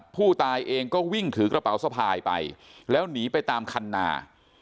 ผู้ตายเองก็วิ่งถือกระเป๋าสะพายไปแล้วหนีไปตามคันนา